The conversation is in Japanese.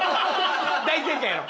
大正解やろ？